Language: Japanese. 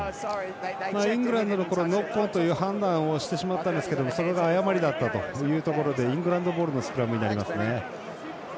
イングランドのこのノックオンという判断をしてしまったんですけどそれが誤りだったというところでイングランドボールのスクラムになりますね。